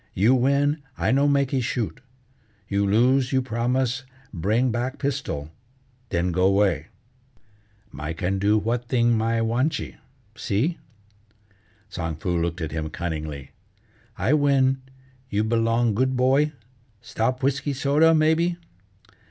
You win, I no makee shoot; you lose, you promise bring back pistol, then go way. My can do what thing my wantchee, see?" Tsang Foo looked at him cunningly: "I win, you belong good boy? Stop whisky soda, maybe?"